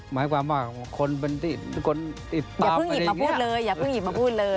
หมายความว่าคนติดอย่าเพิ่งหยิบมาพูดเลยอย่าเพิ่งหยิบมาพูดเลย